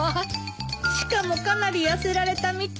しかもかなり痩せられたみたい。